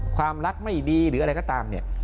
ความรักไม่ดีหรืออะไรก็ตามเนี่ย